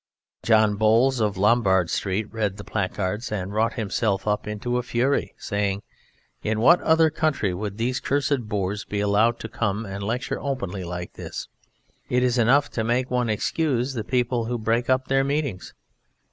John Bowles, of Lombard Street, read the placards and wrought himself up into a fury saying, "In what other country would these cursed Boers be allowed to come and lecture openly like this? It is enough to make one excuse the people who break up their meetings."